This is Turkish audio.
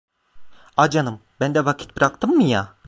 A canım, ben de vakit bıraktım mı ya?